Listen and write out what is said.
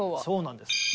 そうなんです。